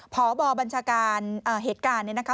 พบบัญชาการเหตุการณ์เนี่ยนะคะ